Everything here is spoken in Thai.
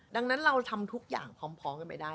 ดังนั้นเราทำทุกอย่างพร้อมกันไม่ได้